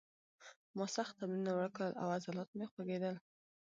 ما سخت تمرینونه وکړل او عضلات مې خوږېدل